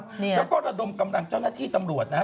แล้วก็ระดมกำลังเจ้าหน้าที่ตำรวจนะฮะ